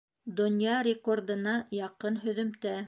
Донъя рекордына яҡын һөҙөмтә